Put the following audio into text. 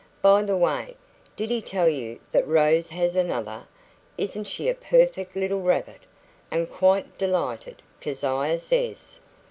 By the way, did he tell you that Rose has another? Isn't she a perfect little rabbit? And quite delighted, Keziah says."